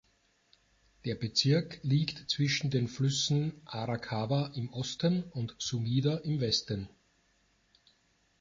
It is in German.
Der Bezirk liegt zwischen den Flüssen Arakawa im Osten und Sumida im Westen.